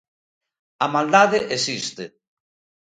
A maldade existe.